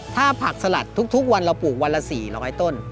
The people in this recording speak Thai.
ถ้าผักสลัดทุกวันเราปลูกวันละ๔๐๐ต้น